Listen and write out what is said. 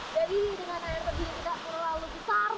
jadi dengan air terjun yang tidak terlalu besar